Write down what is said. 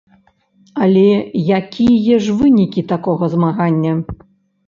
Але якія ж вынікі такога змагання?